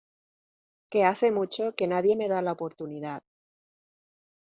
que hace mucho que nadie me da la oportunidad